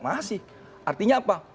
masih artinya apa